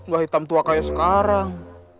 gak hitam tua kayak sekarang